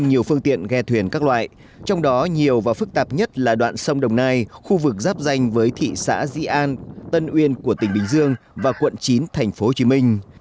nhiều phương tiện ghe thuyền các loại trong đó nhiều và phức tạp nhất là đoạn sông đồng nai khu vực giáp danh với thị xã di an tân uyên của tỉnh bình dương và quận chín thành phố hồ chí minh